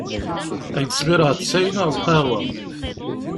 Ad ak-d-smireɣ ttay neɣ lqahwa?